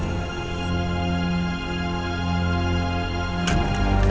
dia krijakan tempat pembawa